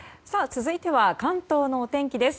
続いては関東のお天気です。